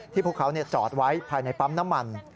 พวกเขาจอดไว้ภายในปั๊มน้ำมัน